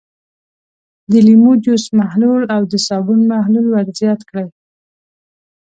د لیمو جوس محلول او د صابون محلول ور زیات کړئ.